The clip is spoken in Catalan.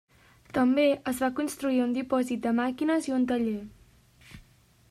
També es va construir un dipòsit de màquines i un taller.